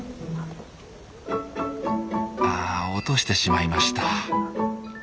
落としてしまいました。